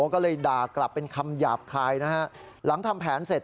ก็เลยด่ากลับเป็นคำหยาบคายนะฮะหลังทำแผนเสร็จ